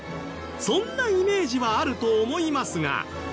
そんなイメージはあると思いますが。